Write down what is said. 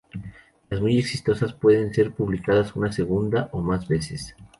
Las muy exitosas pueden ser publicadas una segunda o más veces.